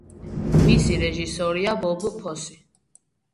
მისი რეჟისორია ბობ ფოსი.